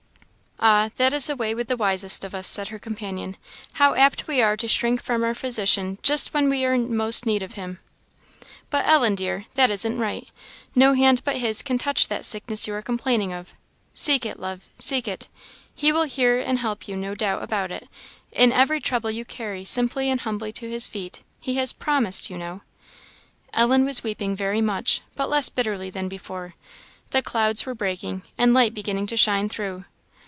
"Ah! that is the way with the wisest of us," said her companion; "how apt we are to shrink most from our Physician just when we are in most need of him! But, Ellen, dear, that isn't right. No hand but His can touch that sickness you are complaining of. Seek it, love seek it. He will hear and help you, no doubt of it, in every trouble you carry simply and humbly to his feet; he has promised, you know." Ellen was weeping very much, but less bitterly than before; the clouds were breaking, and light beginning to shine through.